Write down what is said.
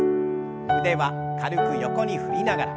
腕は軽く横に振りながら。